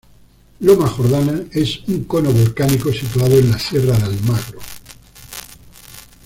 Loma Jordana, es un cono volcánico situado en la sierra de Almagro.